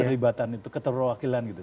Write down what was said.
keterlibatan itu keterwakilan gitu